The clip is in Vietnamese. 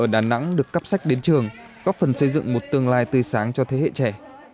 đà nẵng được cắp sách đến trường góp phần xây dựng một tương lai tươi sáng cho thế hệ trẻ